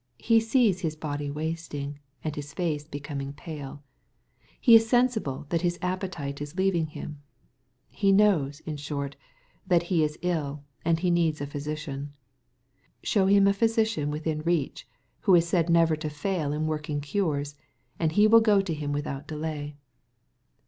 He sees his body wasting, and his face becoming pale. He is sensible that his appetite is leaving him. He knows, in short, that he is ill, and needs a physician. Show him a physician within reach, who is said never to fail in working cures, and he will go to him without delay.